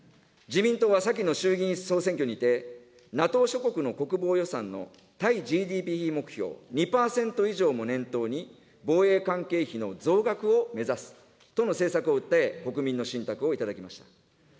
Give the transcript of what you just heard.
自民党は先の衆議院総選挙にて、ＮＡＴＯ諸国の国防予算の対ＧＤＰ比目標２％以上も念頭に、防衛関係費の増額を目指すとの政策を訴え、国民の信託を頂きました。